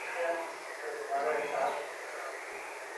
د کا سي کارۍ هنر څنګه وده وکړه؟